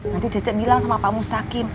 nanti decek bilang sama pak mustaqim